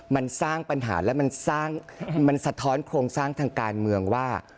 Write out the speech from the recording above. มันสร้างปัญหาและมันสะท้อนโครงสร้างทางการเมืองว่า